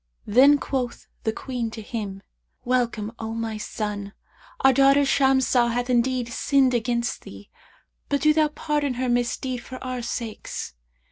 Then quoth the Queen to him, 'Welcome, O my son, our daughter Shamsah hath indeed sinned against thee, but do thou pardon her misdeed for our sakes.'